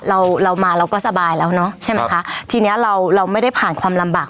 เราเรามาเราก็สบายแล้วเนอะใช่ไหมคะทีเนี้ยเราเราไม่ได้ผ่านความลำบาก